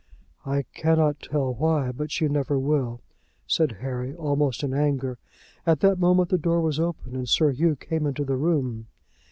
"I cannot tell why, but she never will," said Harry, almost in anger. At that moment the door was opened, and Sir Hugh came into the room.